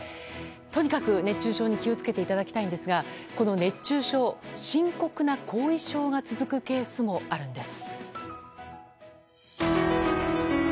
とにかく熱中症に気を付けていただきたいんですがこの熱中症、深刻な後遺症が続くケースもあるんです。